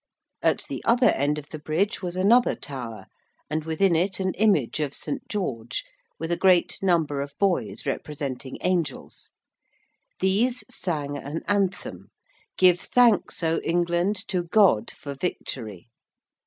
At the other end of the Bridge was another tower, and within it an image of St. George, with a great number of boys representing angels. These sang an anthem, 'Give thanks, O England, to God for victory.'